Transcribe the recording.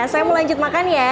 saya mau lanjut makan ya